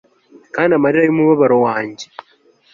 kandi amarira yumubabaro wanjye